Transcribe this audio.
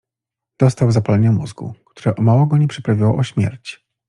Dostał zapalenia mózgu, które o mało go nie przyprawiło o śmierć.